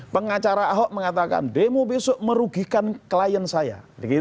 pengacara ahok mengatakan demo besok merugikan klien saya